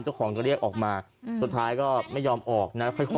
เจ้าของก็เรียกออกมาสุดท้ายก็ไม่ยอมออกนะ